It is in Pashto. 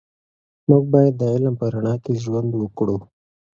موږ باید د علم په رڼا کې ژوند وکړو.